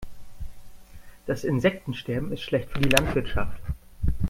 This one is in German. Das Insektensterben ist schlecht für die Landwirtschaft.